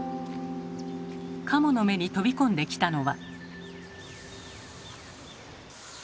加茂の目に飛び込んできたのは。